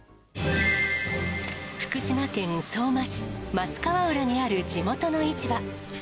福島県相馬市松川浦にある地元の市場。